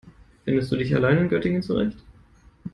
Findest du dich allein in Göttingen zurecht?